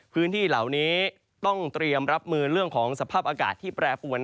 พื้นที่เหล่านี้ต้องเตรียมรับมือเรื่องของสภาพอากาศที่แปรปวน